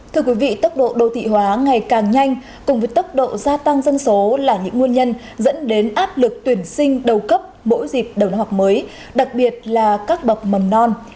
thưa quý vị tốc độ đô thị hóa ngày càng nhanh cùng với tốc độ gia tăng dân số là những nguyên nhân dẫn đến áp lực tuyển sinh đầu cấp mỗi dịp đầu năm học mới đặc biệt là các bậc mầm non